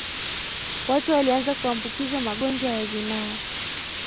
watu walianza kuambukizwa magonjwa ya zinaa